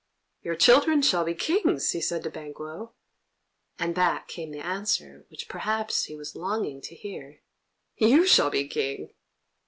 "Your children shall be Kings," he said to Banquo; and back came the answer which perhaps he was longing to hear: "You shall be King!"